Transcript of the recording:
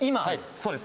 そうです。